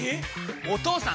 お義父さん！